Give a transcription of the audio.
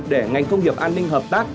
để ngành công nghiệp an ninh hợp tác